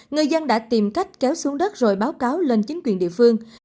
người dân đã tìm cách kéo xuống đất rồi báo cáo lên chính quyền địa phương